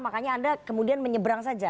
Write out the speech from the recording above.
makanya anda kemudian menyeberang saja